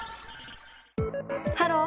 ハロー！